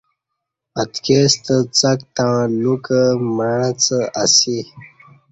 اتکی ستہ څک تݩع لوکہ معݣڅہ اسی